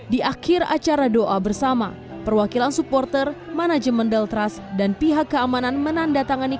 di akhir acara doa bersama perwakilan supporter manajemen deltras dan pihak keamanan menandatangani